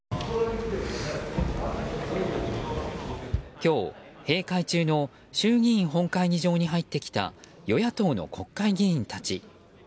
今日、閉会中の衆議院本会議場に入ってきた与野党の国会議員たち。